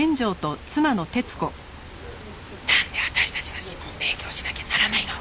なんで私たちが指紋提供しなきゃならないの？